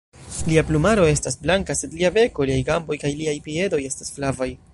Lia plumaro estas blanka, sed lia beko, liaj gamboj kaj liaj piedoj estas flavaj.